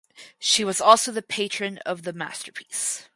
She was also the patron of the masterpiece.